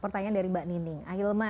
pertanyaan dari mbak nining